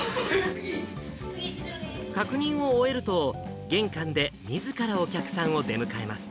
確認を終えると、玄関でみずからお客さんを出迎えます。